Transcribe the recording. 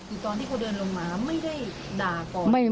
คือตอนที่เขาเดินลงมาไม่ได้ด่าก่อน